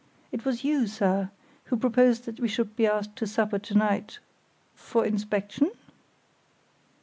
It was you, sir, who proposed that we should be asked to supper to night—for inspection?"